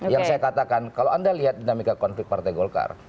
yang saya katakan kalau anda lihat dinamika konflik partai golkar